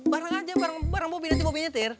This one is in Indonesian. bareng aja bareng bobby nanti bobby nyetir